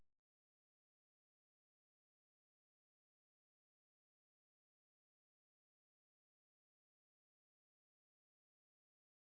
dan juga para pemuda yang sudah